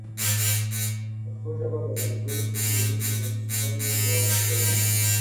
پښتو ژبه د ځانګړې کلتوري پېژندنې یوه وسیله ده.